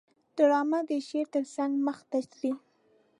ډرامه د شعر ترڅنګ مخته ځي